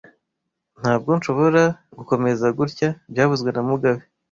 Ntabwo nshobora gukomeza gutya byavuzwe na mugabe